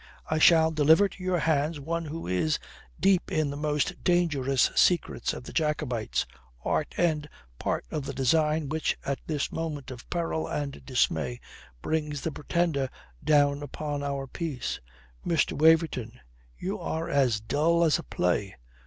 I shall deliver to your hands one who is deep in the most dangerous secrets of the Jacobites, art and part of the design which at this moment of peril and dismay brings the Pretender down upon our peace." "Mr. Waverton, you are as dull as a play.